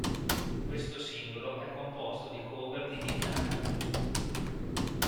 Questo singolo è composto di cover di Neil Diamond.